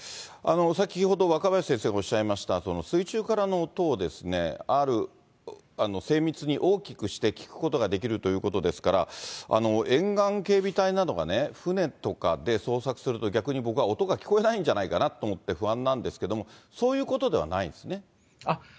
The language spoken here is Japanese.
先ほど、若林先生がおっしゃいました、水中からの音を、精密に大きくして聞くことができるということですから、沿岸警備隊などがね、船とかで捜索すると、逆に僕は音が聞こえないんじゃないかなと不安なんですけれども、そうですね。